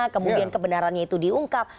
kemudian kebenarannya itu diungkap